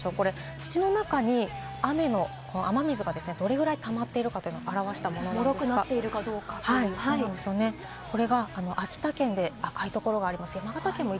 土の中に雨水がどれぐらいたまっているかというのを表したものなんですが、秋田県で赤いところがあります。